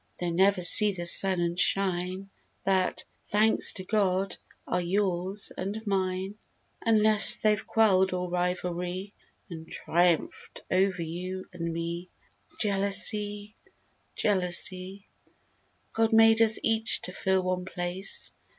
They never see the sun and shine (That—"Thanks to God!" are yours and mine) Unless they've quelled all rivalry And triumphed over you and me— "Jealousy!" "Jealousy!" God made us each to fill one place.